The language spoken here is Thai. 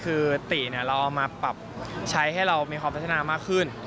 คือติเราเอามาปรับใช้ให้เรามีความพัฒนามากขึ้น